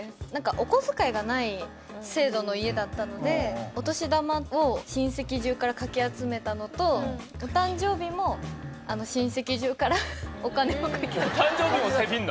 お小遣いがない制度の家だったのでお年玉を親戚中からかき集めたのとお誕生日も親戚中からお金をかき集めて。